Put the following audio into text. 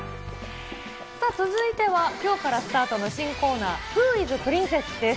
さあ、続いては、きょうからスタートの新コーナー、フー・イズ・プリンセス？です。